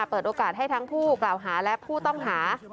เปิดโอกาสให้ทั้งผู้กล่าวหาและผู้ต้องหา